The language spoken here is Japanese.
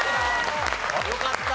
よかった！